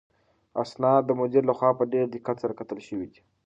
اسناد د مدیر لخوا په ډېر دقت سره کتل شوي دي.